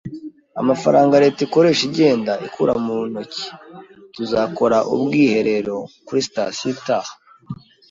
Amafaranga leta ikoresha igenda ikura mu ntoki. Tuzakora ubwiherero kuri sitasiyo itaha.